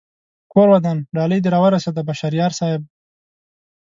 کور ودان ډالۍ دې را و رسېده بشر یار صاحب